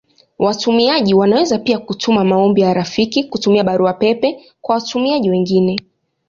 Watumiaji wanaweza pia kutuma maombi ya rafiki kutumia Barua pepe kwa watumiaji wengine.